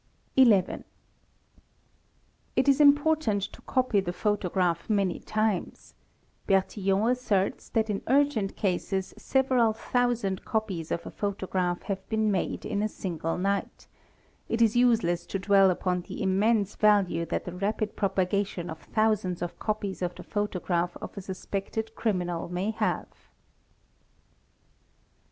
| 11. It is important to copy the photograph many times; Bertillon asserts that in urgent cases several thousand copies of a photograph have been made in a single night; it is useless to dwell upon the immense | value that the rapid propogation of thousands of Ee of the he of a suspected criminal may have.